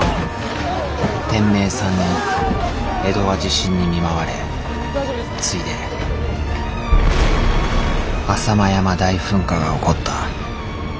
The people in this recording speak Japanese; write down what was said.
天明三年江戸は地震に見舞われついで浅間山大噴火が起こった。